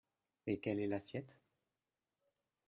Et quelle est l’assiette?